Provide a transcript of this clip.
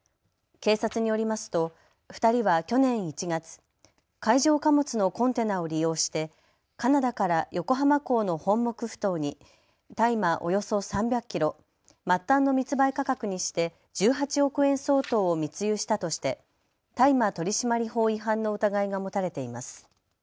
警察によりますと２人は去年１月、海上貨物のコンテナを利用してカナダから横浜港の本牧ふ頭に大麻およそ３００キロ、末端の密売価格にして１８億円相当を密輸したとして大麻取締法違反の疑いが持たれています。